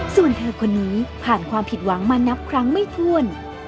ส่วนเธอคนนี้ผ่านความผิดหวังมานับครั้งไม่ถ้วน